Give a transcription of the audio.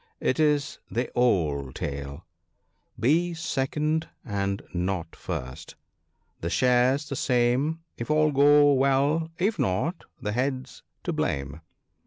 It is the old tale !" Be second and not first !— the share's the same If all go well. If not, the Head's to blame."